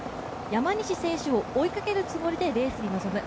山西選手を追いかけるつもりでレースに臨む。